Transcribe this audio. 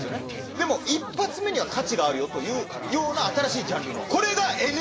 でも１発目には価値があるよというような新しいジャンルの。